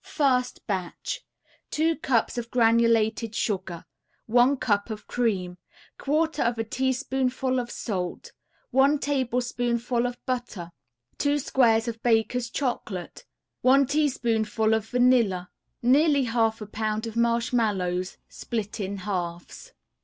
] 1st BATCH 2 cups of granulated sugar, 1 cup of cream, 1/4 a teaspoonful of salt, 1 tablespoonful of butter, 2 squares of Baker's Chocolate, 1 teaspoonful of vanilla, Nearly half a pound of marshmallows, split in halves.